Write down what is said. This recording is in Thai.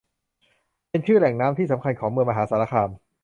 เป็นชื่อแหล่งน้ำที่สำคัญของเมืองมหาสารคาม